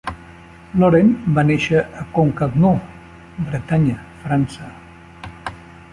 Laurent va néixer a Concarneau, Bretanya, França.